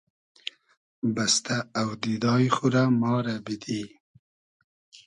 بئستۂ اۆدیدای خو رۂ ما رۂ بیدی